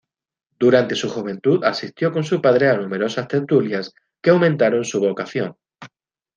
Durante su juventud asistió con su padre a numerosas tertulias que aumentaron su vocación.